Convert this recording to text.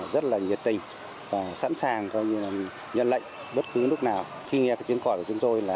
rất là nhiệt tình và sẵn sàng nhận lệnh bất cứ lúc nào khi nghe tiếng gọi của chúng tôi là